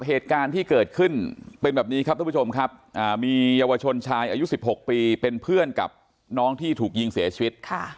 เหตุการณ์ที่เกิดขึ้นเป็นแบบนี้ครับทุกผู้ชมครับมีเยาวชนชายอายุ๑๖ปีเป็นเพื่อนกับน้องที่ถูกยิงเสียชีวิต